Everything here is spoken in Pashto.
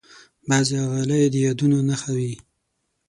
بعضې غالۍ د یادونو نښه وي.